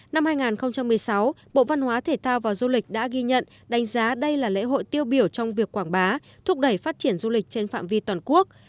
năm hai nghìn một mươi sáu bộ văn hóa thể thao và du lịch đã ghi nhận đánh giá đây là lễ hội tiêu biểu trong việc quảng bá thúc đẩy phát triển du lịch trên phạm vi toàn quốc